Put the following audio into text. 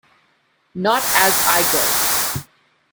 Not as I go.